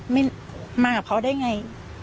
มากับเค้าได้ไง